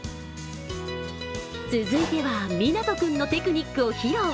続いては、湊君のテクニックを披露。